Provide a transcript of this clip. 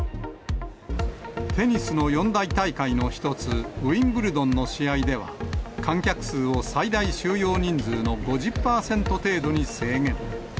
テニスの四大大会の一つ、ウィンブルドンの試合では、観客数を最大収容人数の５０％程度に制限。